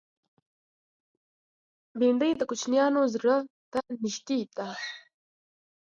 بېنډۍ د کوچنیانو زړه ته نږدې ده